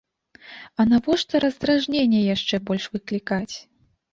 А навошта раздражненне яшчэ больш выклікаць?